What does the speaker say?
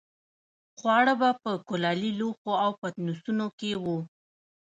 خواړه به په کلالي لوښو او پتنوسونو کې وو.